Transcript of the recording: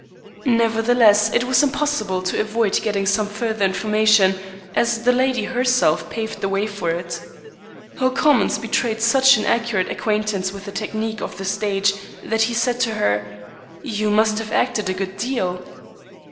Nevertheless, it was impossible to avoid getting some further information, as the lady herself paved the way for it. Her comments betrayed such an accurate acquaintance with the technique of the stage that he said to her, "You must have acted a good deal?"